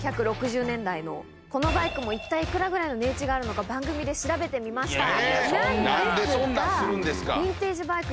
このバイクも一体いくらぐらいの値打ちがあるのか番組で調べてみました。